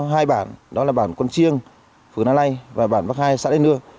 hai bản đó là bản quân chiêng phường na lây và bản bắc hai xã lê nưa